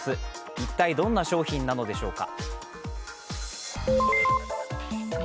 一体、どんな商品なのでしょうか。